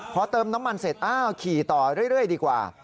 พอเติมน้ำมันเสร็จอ้าวขี่ต่อเรื่อยดีกว่า